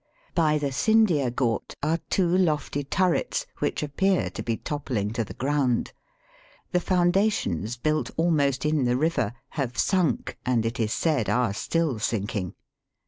By the Sindhia ghat are two lofty turrets, which appear to be toppling to the ground. The foundations, built almost in the river, have sunk, and it is said are still sinking.